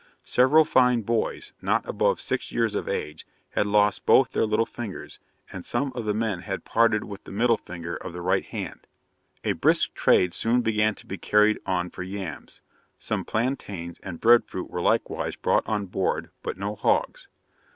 Several fine boys, not above six years of age, had lost both their little fingers; and some of the men had parted with the middle finger of the right hand. A brisk trade soon began to be carried on for yams; some plantains and bread fruit were likewise brought on board, but no hogs.